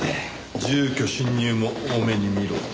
住居侵入も大目に見ろと？